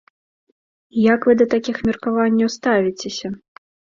І як вы да такіх меркаванняў ставіцеся?